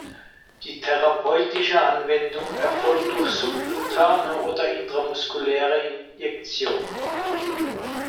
Die therapeutische Anwendung erfolgt durch subkutane oder intramuskuläre Injektion.